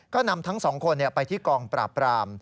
ก็นำทั้งสองคนไปที่กองปราบราม